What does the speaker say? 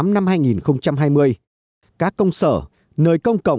năm hai nghìn hai mươi các công sở